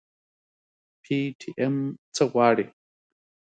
پي ټي ايم څه غواړي؟